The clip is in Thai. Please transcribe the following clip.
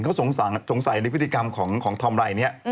เค้าสงสัยในพฤติกรรมของต้มรัยเนี่ย